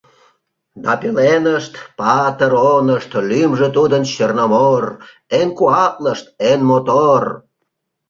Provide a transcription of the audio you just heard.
Да пеленышт патыр онышт Лӱмжӧ тудын Черномор Эн куатлышт, эн мотор».